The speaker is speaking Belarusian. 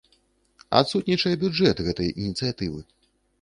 Адсутнічае бюджэт гэтай ініцыятывы.